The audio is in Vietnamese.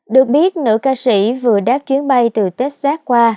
được biết nữ ca sĩ vừa đáp chuyến bay từ texas qua